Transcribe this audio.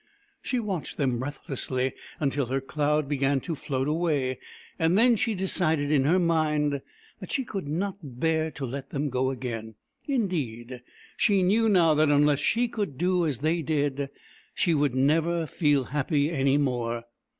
She watched them breathlessly, until her cloud began to float away ; and then she decided in her mind that she could not bear to let them go again. Indeed, she knew now that unless she could do as they did, she would never feel happy any more.